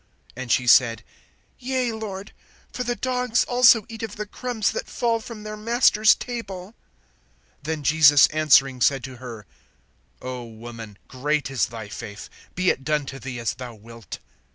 (27)And she said: Yea, Lord; for the dogs also eat of the crumbs that fall from their masters' table. (28)Then Jesus answering said to her: O woman, great is thy faith; be it done to thee as thou wilt.